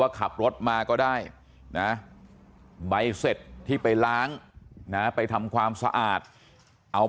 ขับรถมาก็ได้นะใบเสร็จที่ไปล้างนะไปทำความสะอาดเอา